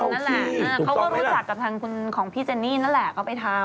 เขาก็รู้จักกับทางคุณของพี่เจนนี่นั่นแหละก็ไปทำ